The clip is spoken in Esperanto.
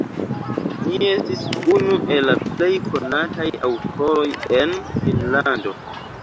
Li estis unu el la plej konataj aŭtoroj en Finnlando.